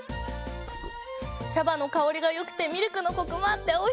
茶葉の香りがよくてミルクのコクもあっておいしい！